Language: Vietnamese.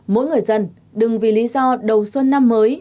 mỗi người dân đừng vì lý do đầu xuân năm mới